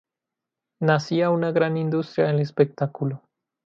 Nacía una gran industria del espectáculo.